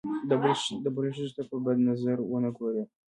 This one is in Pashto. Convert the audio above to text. د بل ښځو ته په بد نظر ونه ګوري.